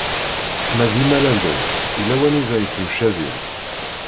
Ma d imalalen, yella wanida i temcabin.